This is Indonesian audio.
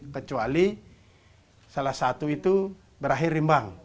kecuali salah satu itu berahi rimbah